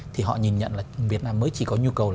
thì họ nhìn nhận là việt nam mới chỉ có nhu cầu